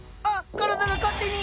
体が勝手に！